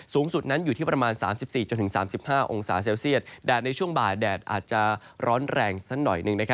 สูงสุดนั้นอยู่ที่ประมาณ๓๔๓๕องศาเซลเซียตแดดในช่วงบ่ายแดดอาจจะร้อนแรงสักหน่อยหนึ่ง